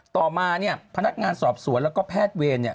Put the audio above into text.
ต่อมาเนี่ยพนักงานสอบสวนแล้วก็แพทย์เวรเนี่ย